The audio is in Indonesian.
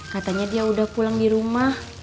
katanya dia udah pulang di rumah